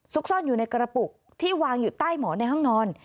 ซ่อนอยู่ในกระปุกที่วางอยู่ใต้หมอนในห้องนอน